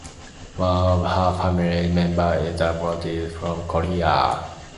One of her family members is adopted from Korea.